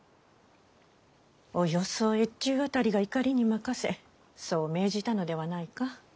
およそ越中あたりが怒りに任せそう命じたのではないか？